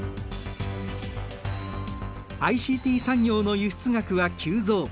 ＩＣＴ産業の輸出額は急増。